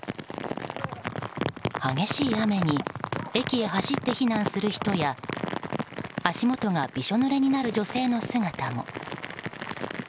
激しい雨に駅へ走って避難する人や足元がびしょぬれになる女性の姿も。